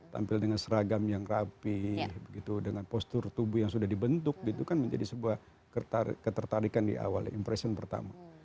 tampil dengan seragam yang rapi dengan postur tubuh yang sudah dibentuk gitu kan menjadi sebuah ketertarikan di awal ya impression pertama